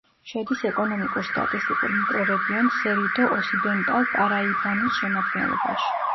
შედის ეკონომიკურ-სტატისტიკურ მიკრორეგიონ სერიდო-ოსიდენტალ-პარაიბანუს შემადგენლობაში.